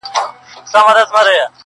د دنيا حسن په څلورو دېوالو کي بند دی_